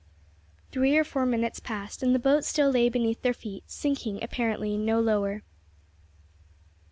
Three or four minutes passed, and the boat still lay beneath their feet, sinking, apparently, no lower.